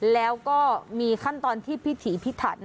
แล้วก็มีขั้นตอนที่พิถีพิถัน